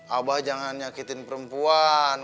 abah jangan nyakitin perempuan